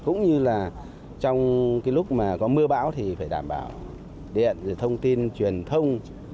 cũng như là trong lúc có mưa bão thì phải đảm bảo điện thông tin truyền thông